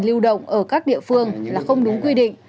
lưu động ở các địa phương là không đúng quy định